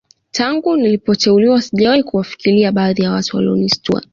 Tangu nilipoteuliwa sijawahi kuwafikiria baadhi ya watu walionisuta